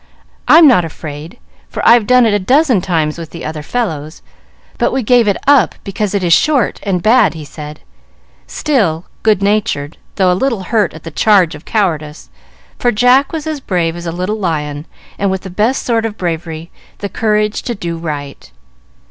I'm not afraid, for I've done it a dozen times with the other fellows; but we gave it up because it is short and bad," he said, still good natured, though a little hurt at the charge of cowardice; for Jack was as brave as a little lion, and with the best sort of bravery, the courage to do right.